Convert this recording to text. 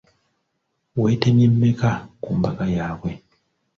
Weetemye mmeka ku mbaga yaabwe?